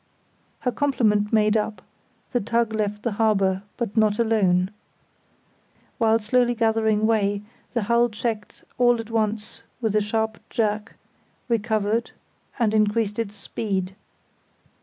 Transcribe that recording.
Her complement made up, the tug left the harbour, but not alone. While slowly gathering way the hull checked all at once with a sharp jerk, recovered, and increased its speed.